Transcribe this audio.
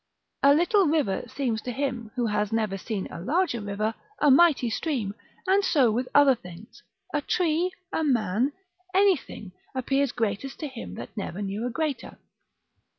["A little river seems to him, who has never seen a larger river, a mighty stream; and so with other things a tree, a man anything appears greatest to him that never knew a greater."